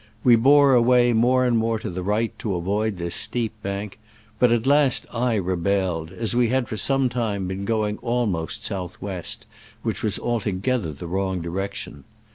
We bore away more and more to the right to avoid this steep bank, but at last I rebelled, as we had for some time been going almost south west, which was altogether the wrong direction.